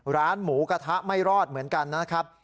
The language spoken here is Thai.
ร้านหมูกระทะไม่รอดเหมือนกันนะครับ